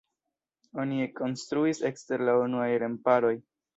Oni ekkonstruis ekster la unuaj remparoj.